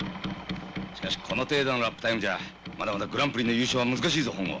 しかしこの程度のラップタイムじゃまだまだグランプリの優勝は難しいぞ本郷。